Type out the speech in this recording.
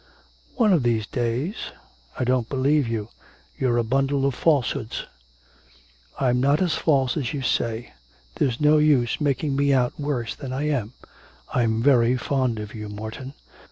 'One of these days.' 'I don't believe you. ... You're a bundle of falsehoods.' 'I'm not as false as you say. There's no use making me out worse than I am. I'm very fond of you, Morton.'